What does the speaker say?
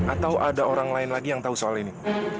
atau ada orang lain lagi yang tahu soal ini